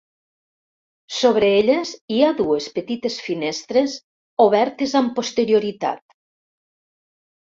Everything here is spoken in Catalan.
Sobre elles hi ha dues petites finestres obertes amb posterioritat.